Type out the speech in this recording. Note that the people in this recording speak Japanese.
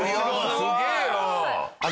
すげえな！